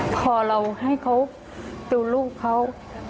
พอเราให้เขาดูลูกเขา